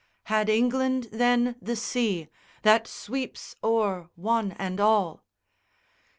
Had England, then, the sea that sweeps o'er one and all?